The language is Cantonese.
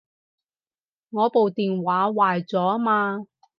我部電話壞咗吖嘛